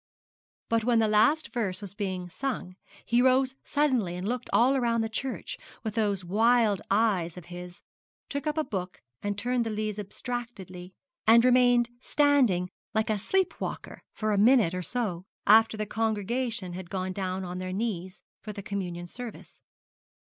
But when the last verse was being sung, he rose suddenly and looked all round the church with those wild eyes of his, took up a book and turned the leaves abstractedly, and remained standing like a sleep walker for a minute or so, after the congregation had gone down on their knees for the communion service.